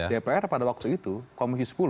dpr pada waktu itu komisi sepuluh